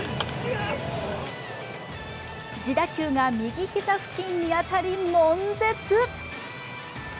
自打球が右膝付近に当たり、もん絶